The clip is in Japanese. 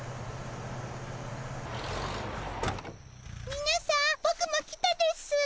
みなさんボクも来たです。